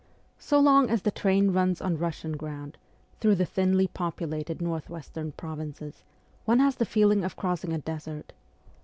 So long as the train runs on Russian ground, through the thinly populated north western provinces, one has the feeling of crossing a desert.